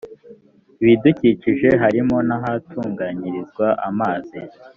ibidukikije harimo n’ahatunganyirizwa amazi